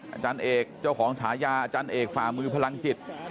อาจารย์เอกเจ้าของฉายาอาจารย์เอกฝ่ามือพลังจิต